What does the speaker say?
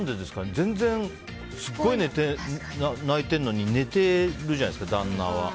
全然、すごい泣いてるのに寝てるじゃないですか、旦那は。